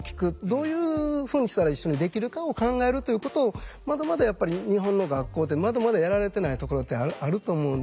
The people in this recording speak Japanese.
どういうふうにしたら一緒にできるかを考えるということをまだまだやっぱり日本の学校ってまだまだやられてないところってあると思うんですね。